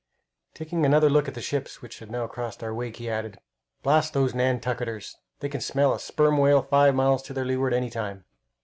Taking another look at the ships which had now crossed our wake, he added, "Blast those Nantucketers! They can smell a sperm whale five miles to their leeward any time."